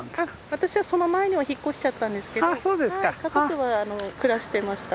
私はその前には引っ越しちゃったんですけど家族は暮らしてました。